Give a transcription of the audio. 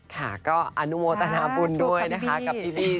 ค่ะก็อนุโมทนาบุญด้วยนะคะกับพี่บี้